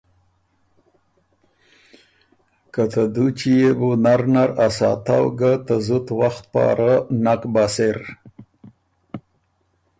که ته دُوچی يې بو نر نر ا ساتؤ ګه ته زُت وخت پاره نک بۀ سِر۔